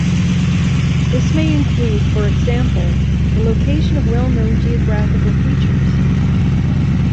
This may include, for example, the location of well-known geographical features.